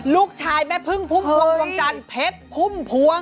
ลูกชายแม่พึ่งพุ่มพวงดวงจันทร์เพชรพุ่มพวง